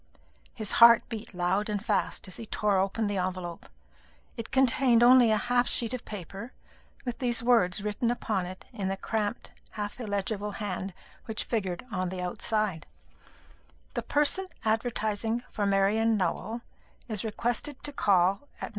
His heart beat loud and fast as he tore open this envelope. It contained only a half sheet of paper, with these words written upon it in the cramped half illegible hand which figured on the outside: "The person advertising for Marian Nowell is requested to call at No.